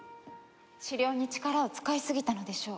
治療に力を使いすぎたのでしょう。